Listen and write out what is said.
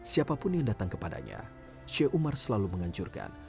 siapapun yang datang kepadanya syuk umar selalu mengancurkan